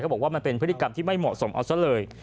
บอกว่ามันเป็นพฤติกรรมที่ไม่เหมาะสมเอาซะเลย